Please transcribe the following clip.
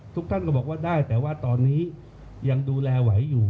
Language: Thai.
ท่านก็บอกว่าได้แต่ว่าตอนนี้ยังดูแลไหวอยู่